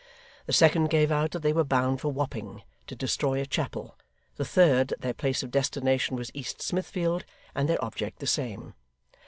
The second gave out that they were bound for Wapping, to destroy a chapel; the third, that their place of destination was East Smithfield, and their object the same.